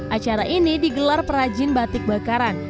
acara ini digelar perajin batik bakaran